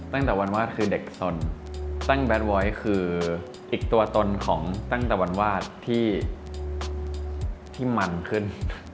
ตั้งแต่วันวาดคือเด็กสนตั้งแบทวอยคืออีกตัวตนของตั้งแต่วันวาดที่มันขึ้น